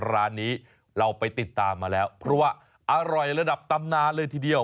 ร้านนี้เราไปติดตามมาแล้วเพราะว่าอร่อยระดับตำนานเลยทีเดียว